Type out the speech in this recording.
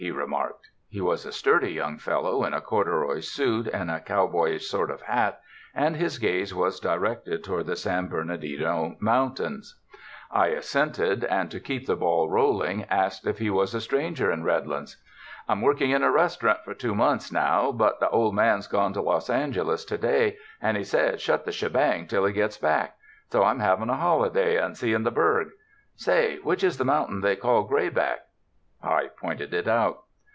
he remarked. He was a sturdy young fellow in a corduroy suit and a cow boyish sort of hat, and his gaze was directed toward the San Bernardino moun tains. 213 UNDER THE SKY IN CALIFORNIA I assented, and to keep the l)all rolling, asked if he was a stranger in Redlands. "I'm working in a restaurant for two months now, but the old man's gone to Los Angeles to day, and he said shut the shebang till he gets back; so I'm having a holiday and seeing the burg. Say, which is the mountain they call Grayback?" I pointed it out.